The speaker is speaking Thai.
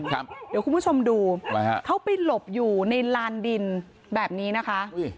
เดี๋ยวคุณผู้ชมดูเขาไปหลบอยู่ในลานดินแบบนี้นะคะ